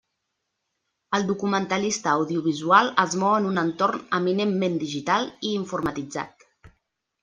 El documentalista audiovisual es mou en un entorn eminentment digital i informatitzat.